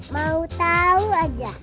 mau tau aja